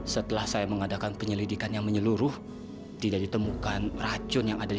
setelah saya mengadakan penyelidikan yang menyeluruh tidak ditemukan racun yang ada di